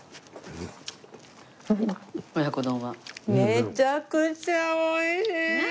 めちゃくちゃ美味しい！